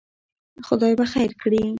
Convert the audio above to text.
خدای به خیر کړي.